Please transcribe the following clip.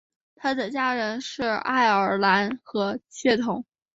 他的家人是爱尔兰和血统。